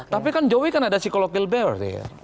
tapi kan jokowi kan ada psikologil bear